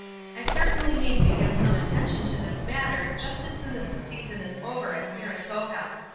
I certainly mean to give some attention to this matter just as soon as the season is over at Saratoga.